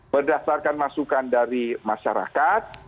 berdasarkan masukan dari masyarakat